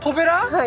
はい。